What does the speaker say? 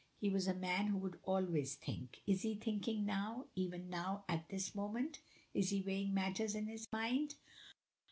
"He was a man who would always think," is he thinking now even now at this moment? is he weighing matters in his mind?